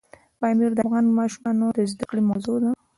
پامیر د افغان ماشومانو د زده کړې موضوع ده.